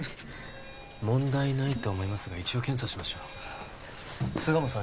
問題ないと思いますが一応検査しましょう巣鴨さん